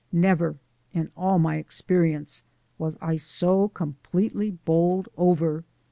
Never in all my experience was I so completely bowled over.